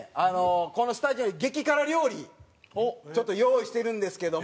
このスタジオに激辛料理ちょっと用意してるんですけども。